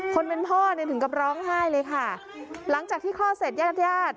คนเป็นพ่อเนี่ยถึงกับร้องไห้เลยค่ะหลังจากที่คลอดเสร็จญาติญาติ